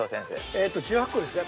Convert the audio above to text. えっと１８個ですね。